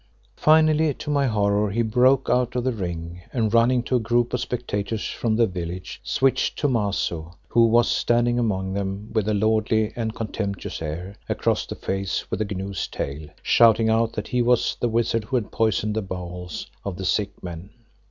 Finally to my horror he broke out of the ring, and running to a group of spectators from the village, switched Thomaso, who was standing among them with a lordly and contemptuous air, across the face with the gnu's tail, shouting out that he was the wizard who had poisoned the bowels of the sick men.